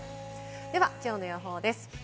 では、きょうの予報です。